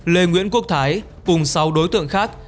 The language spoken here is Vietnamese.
lê nguyễn quốc thái cùng sáu đối tượng khác